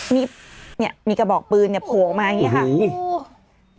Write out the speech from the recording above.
มีเนี่ยมีกระบอกปืนเนี่ยโผล่ออกมาอย่างนี้ค่ะ